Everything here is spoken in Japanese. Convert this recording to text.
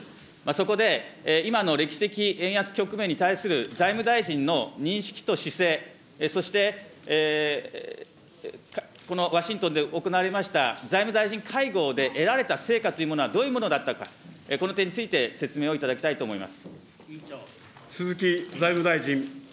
そこで、今の歴史的円安局面に対する、財務大臣の認識と姿勢、そして、ワシントンで行われました財務大臣会合で得られた成果というものは、どういうものだったか、この点について説明をいただきたいと鈴木財務大臣。